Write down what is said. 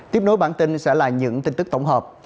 tiếp nối bản tin sẽ là những tin tức tổng hợp